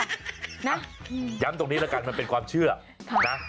ย้ำตรงนี้แล้วกันมันเป็นความเชื่อนะ